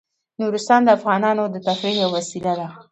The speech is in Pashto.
نورستان د افغانانو د تفریح یوه وسیله ده.